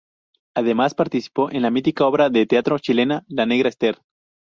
Además participó en la mítica obra de teatro chilena "La negra Ester".